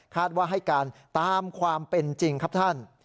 ว่าให้การตามความเป็นจริงครับท่าน